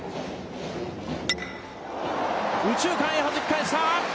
右中間へはじき返した。